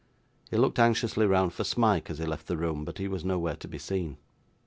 He looked anxiously round for Smike, as he left the room, but he was nowhere to be seen.